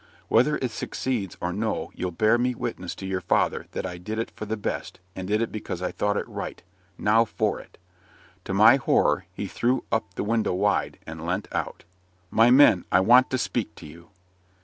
Whether it succeeds or no, you'll bear me witness to your father that I did it for the best, and did it because I thought it right. Now for it." To my horror, he threw up the window wide, and leant out. "My men, I want to speak to you."